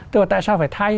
tôi bảo tại sao phải thay